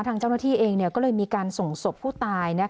ทางเจ้าหน้าที่เองก็เลยมีการส่งศพผู้ตาย